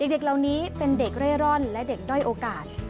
เด็กเหล่านี้เป็นเด็กเร่ร่อนและเด็กด้อยโอกาส